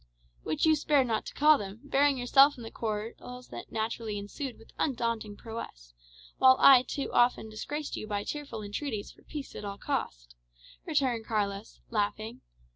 "Which you spared not to call them, bearing yourself in the quarrels that naturally ensued with undaunted prowess; while I too often disgraced you by tearful entreaties for peace at all costs," returned Carlos, laughing.